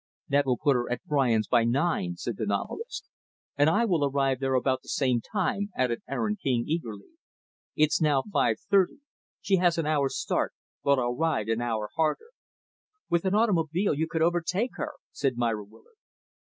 "That will put her at Brian's by nine," said the novelist. "And I will arrive there about the same time," added Aaron King, eagerly. "It's now five thirty. She has an hour's start; but I'll ride an hour harder." "With an automobile you could overtake her," said Myra Willard.